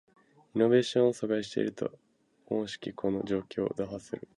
イノベーションを阻害していると思しきこの状況を打破する